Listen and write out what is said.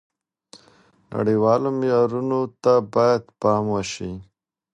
نړیوالو معیارونو ته باید پام وشي.